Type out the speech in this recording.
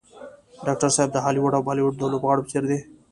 ډاکټر صاحب د هالیوډ او بالیوډ د لوبغاړو په څېر دی.